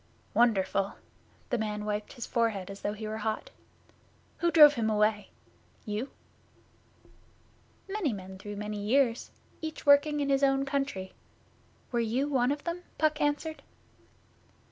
'Wonderful!' The man wiped his forehead as though he were hot. 'Who drove him away? You?' 'Many men through many years, each working in his own country. Were you one of them?' Puck answered.